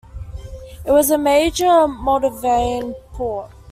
It was a major Moldavian port.